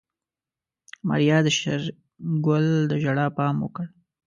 ماريا د شېرګل د ژړا پام وکړ.